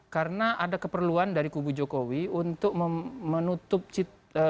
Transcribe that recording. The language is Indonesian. karena ada keperluan dari kubu jokowi untuk menutupi